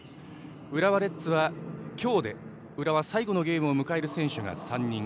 浦和レッズは今日で浦和最後のゲームを迎える選手が３人。